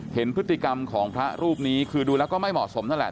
เห็นพฤติกรรมของพระรูปนี้คือดูแล้วก็ไม่เหมาะสมนั่นแหละ